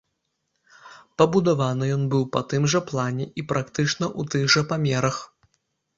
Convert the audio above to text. Пабудаваны ён быў па тым жа плане і практычна ў тых жа памерах.